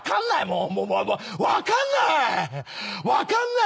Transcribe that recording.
分かんない！